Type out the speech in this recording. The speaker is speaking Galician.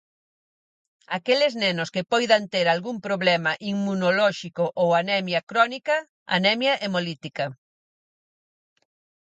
Aqueles nenos que poidan ter algún problema inmunolóxico ou anemia crónica, anemia hemolítica.